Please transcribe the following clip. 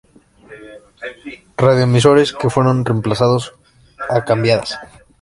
Radioemisoras que fueron remplazadas o cambiadas.